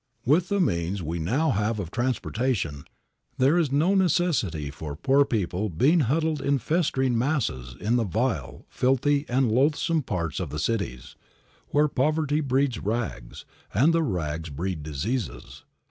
With the means we now have of transportation, there is no necessity for poor people being huddled in festering masses in the vile, filthy and loathsome parts of cities, where poverty breeds rags, and the rags breed diseases.